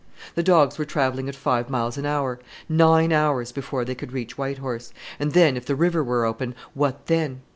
The dogs were travelling at five miles an hour: nine hours before he could reach White Horse; and then, if the river were open, what then?